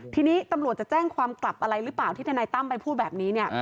ทีนี้ตำรวจจะแจ้งความกลับอะไรหรือเปล่าที่ทนายตั้มไปพูดแบบนี้เนี่ย